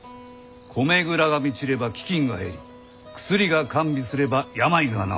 「米蔵が満ちれば飢きんが減り薬が完備すれば病が治る。